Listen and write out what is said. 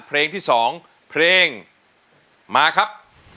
เพลงที่๒เพลงมาครับ